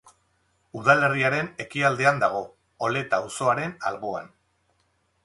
Udalerriaren ekialdean dago, Oleta auzoaren alboan.